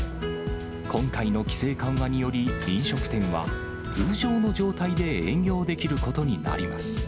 今回の規制緩和により、飲食店は、通常の状態で営業できることになります。